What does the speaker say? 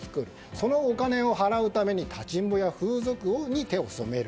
そのお金を払うために立ちんぼや風俗に手を染める。